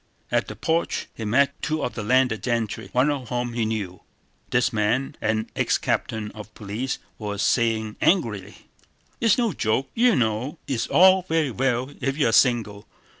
At the porch he met two of the landed gentry, one of whom he knew. This man, an ex captain of police, was saying angrily: "It's no joke, you know! It's all very well if you're single.